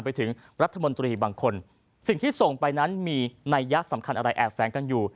ไปถึงรัฐมนตรีบางคนสิ่งที่ส่งไปนั้นมีนัยยะสำคัญอะไรแอบแฝงกันอยู่